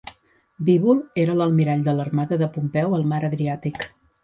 Bíbul era l'almirall de l'armada de Pompeu al mar Adriàtic.